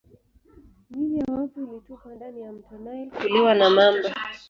Miili ya wafu ilitupwa ndani ya mto Nile kuliwa na mamba